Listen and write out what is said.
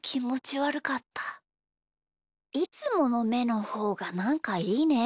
いつものめのほうがなんかいいね。